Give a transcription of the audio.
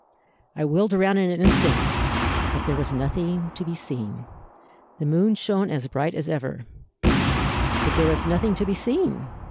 I wheeled around in an instant, but there was nothing to be seen. The moon shone as bright as ever, but there was nothing to be seen!